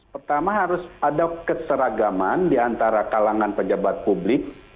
pertama harus ada keseragaman di antara kalangan pejabat publik